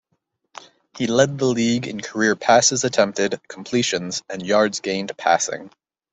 He led the league in career passes attempted, completions, and yards gained passing.